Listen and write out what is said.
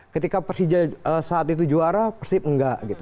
ketika persija saat itu juara persib enggak gitu